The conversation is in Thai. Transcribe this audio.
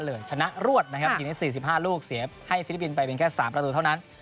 แพ้เหลือชนะรวดนะครับทีนี้๔๕ลูกเสียให้ฟิลิปปินไปเป็นแค่๓ประตูเท่านั้น